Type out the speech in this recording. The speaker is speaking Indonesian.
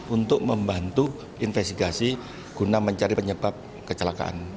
untuk membantu investigasi guna mencari penyebab kecelakaan